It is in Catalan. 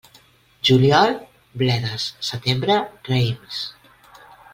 Juliol, bledes; setembre, raïms.